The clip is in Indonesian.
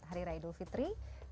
hari raya idul fitri